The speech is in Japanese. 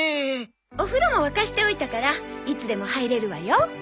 お風呂も沸かしておいたからいつでも入れるわよ。